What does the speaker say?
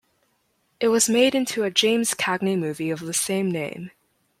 It was made into a James Cagney movie of the same name.